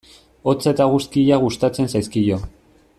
Hotza eta eguzkia gustatzen zaizkio.